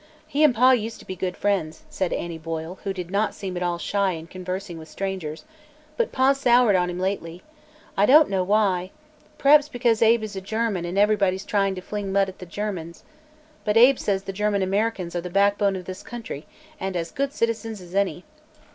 "He an' Pa used to be good friends," said Annie Boyle, who did not seem at all shy in conversing with strangers, "but Pa's soured on him lately. I don't know why. P'raps because Abe is a German, an' everybody's tryin' to fling mud at the Germans. But Abe says the German Americans are the back bone of this country, and as good citizens as any."